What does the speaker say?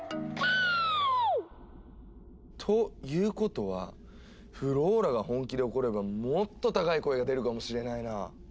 キーッ！ということはフローラが本気で怒ればもっと高い声が出るかもしれないな。